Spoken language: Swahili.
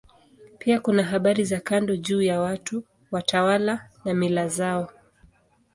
Pia kuna habari za kando juu ya watu, watawala na mila zao.